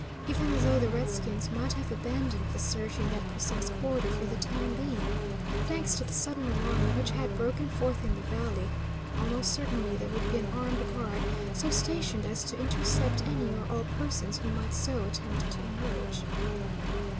Even though the redskins might have abandoned the search in that precise quarter for the time being, thanks to the sudden alarm which had broken forth in the valley, almost certainly there would be an armed guard so stationed as to intercept any or all persons who might so attempt to emerge.